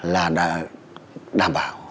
là đảm bảo